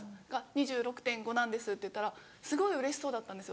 「２６．５なんです」って言ったらすごいうれしそうだったんです